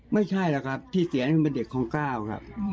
ไม่ใช่หรอกครับพี่เสียนเป็นเด็กของก้าวครับ